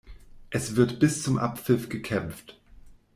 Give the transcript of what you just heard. Es wird bis zum Abpfiff gekämpft.